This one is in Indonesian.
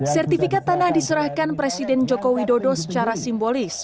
sertifikat tanah diserahkan presiden joko widodo secara simbolis